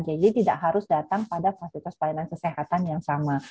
jadi tidak harus datang pada fasilitas layanan kesehatan yang sama